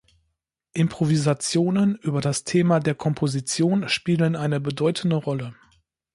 Improvisationen über das Thema der Komposition spielen eine bedeutende Rolle.